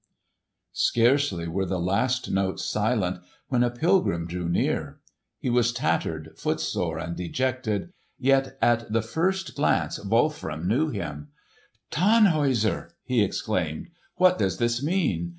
Scarcely were the last notes silent when a pilgrim drew near. He was tattered, footsore and dejected, yet at the first glance Wolfram knew him. "Tannhäuser!" he exclaimed. "What does this mean?